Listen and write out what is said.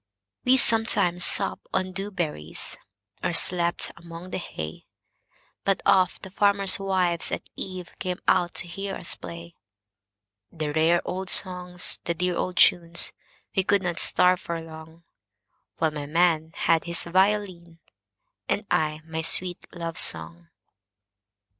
We sometimes supped on dew berries, Or slept among the hay, But oft the farmers' wives at eveCame out to hear us play; The rare old songs, the dear old tunes,—We could not starve for longWhile my man had his violin, And I my sweet love song.